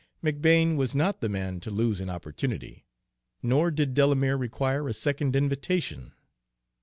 McBane was not the man to lose an opportunity, nor did Delamere require a second invitation.